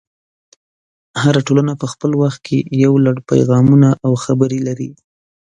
هره ټولنه په خپل وخت کې یو لړ پیغامونه او خبرې لري.